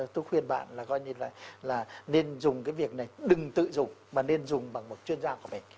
tôi khuyên bạn là coi như là nên dùng cái việc này đừng tự dụng mà nên dùng bằng một chuyên gia của mình